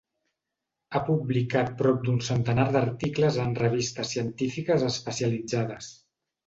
Ha publicat prop d'un centenar d'articles en revistes científiques especialitzades.